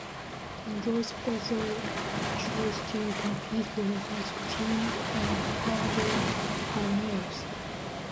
Joyce also chose to compete for her high school team, the Ann Arbor Pioneers.